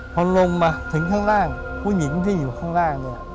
พอลงมาถึงข้างล่างผู้หญิงที่อยู่ข้างล่างเนี่ย